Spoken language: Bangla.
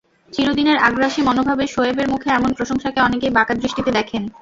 চিরদিনের আগ্রাসী মনোভাবের শোয়েবের মুখে এমন প্রশংসাকে অনেকেই বাঁকা দৃষ্টিতে দেখেন।